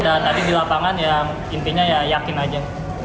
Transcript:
dan tadi di lapangan intinya yakin saja